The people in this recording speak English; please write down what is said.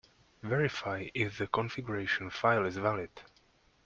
Verify if the configuration file is valid.